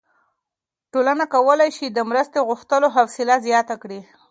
ټولنه کولی شي د مرستې غوښتلو حوصله زیاته کړي.